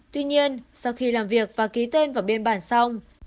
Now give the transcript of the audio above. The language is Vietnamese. tuy nhiên sau khi làm việc và ký tên vào biên bản xong